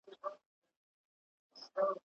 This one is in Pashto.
¬ اوگره په تلوار نه سړېږي.